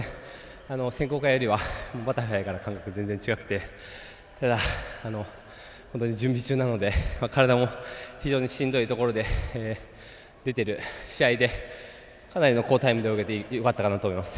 選考会よりはバタフライから違くてただ、本当に準備中なので体も非常にしんどいところで出てる試合でかなり好タイムで泳げてよかったかなと思います。